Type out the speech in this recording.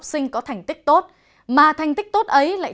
xin chào và hẹn gặp lại